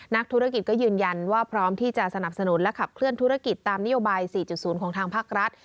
นักธุรกิจก็ยืนยันว่าพร้อมที่จะสนับสนุนและขับเคลื่อนธุรกิจตามนโยบาย๔๐ของทางภาครัฐ